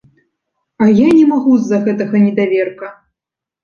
А я не магу з-за гэтага недаверка!